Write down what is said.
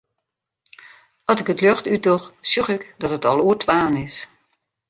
At ik it ljocht útdoch, sjoch ik dat it al oer twaen is.